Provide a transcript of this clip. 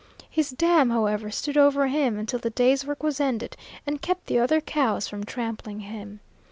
His dam, however, stood over him until the day's work was ended, and kept the other cows from trampling him.